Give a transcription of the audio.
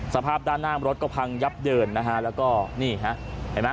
สภาพด้านหน้ารถก็พังยับเยินนะฮะแล้วก็นี่ฮะเห็นไหม